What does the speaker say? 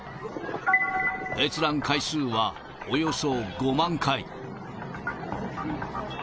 閲覧回数はおよそ５万回。